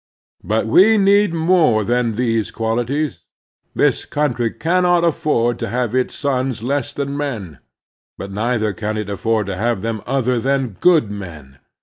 But we need more than these quaUties. This cotmtry cannot afford to have its sons less than men; but neither can it afford to have them other than good men.